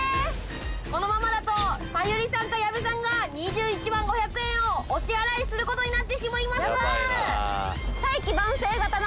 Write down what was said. このままだと沙友理さんと矢部さんが２１万５００円をお支払いすることになってしまいます。